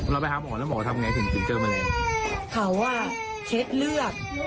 แล้วไปหาหมอแล้วหมอทำยังไงถึงเจอแมลง